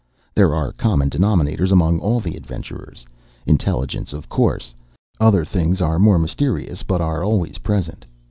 "There are common denominators among all the adventurers. Intelligence, of course. Other things are more mysterious but are always present.